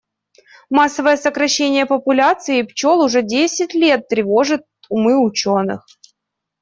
Массовое сокращение популяции пчёл уже десять лет тревожит умы учёных.